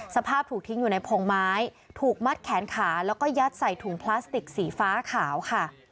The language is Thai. สภาพถูกทิ้งอยู่ในพงไม้ถูกมัดแขนขาแล้วก็ยัดใส่ถุงพลาสติกสีฟ้าขาวค่ะ